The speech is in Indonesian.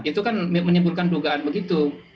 itu kan menyebutkan dugaan begitu